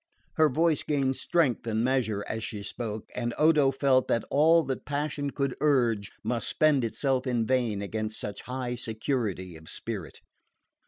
Her voice gained strength and measure as she spoke, and Odo felt that all that passion could urge must spend itself in vain against such high security of spirit.